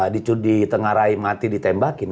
dicudi tengah raih mati ditembakin